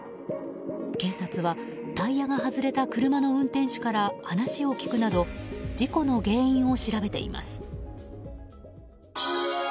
警察は、タイヤが外れた車の運転手から話を聞くなど事故の原因を調べています。